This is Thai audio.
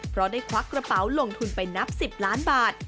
เพราะได้ควักกระเป๋าลงทุนไปนับ๑๐ล้านบาท